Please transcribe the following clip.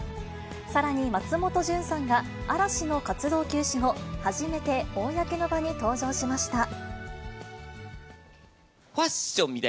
さらに松本潤さんが、嵐の活動休止後、初めて公の場に登場しました。